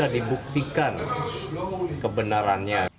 tapi bisa dibuktikan kebenarannya